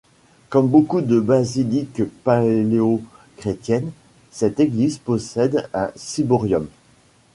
Comme beaucoup de basiliques paléochrétiennes, cette église possède un ciborium.